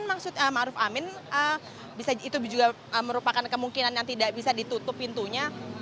maksudnya ma'ruf amin itu juga merupakan kemungkinan yang tidak bisa ditutup pintunya